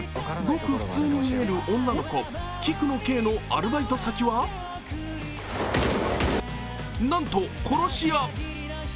ごく普通に見える女の子、菊野ケイのアルバイト先はなんと殺し屋。